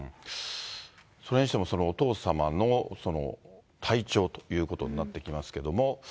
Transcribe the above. それにしてもお父様の体調ということになってきますけれども。